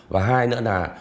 và hai nữa là